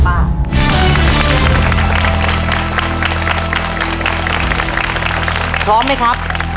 พร้อมค่ะ